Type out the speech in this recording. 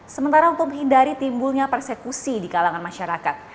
sementara untuk menghindari timbulnya persekusi di kalangan masyarakat